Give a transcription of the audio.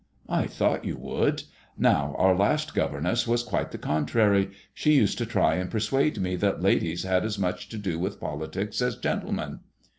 "I thought you would Now our last governess was quite the contrary. She used to try and persuade me that ladies had as much to do with politics as gentlemen."